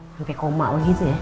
kayak koma gitu ya